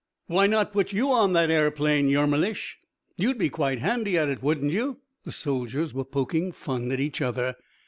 "Why not put you on that aeroplane, Yermilich!... You'd be quite handy at it, wouldn't you!" the soldiers were poking fun at each other.